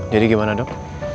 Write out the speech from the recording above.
jadi gimana dok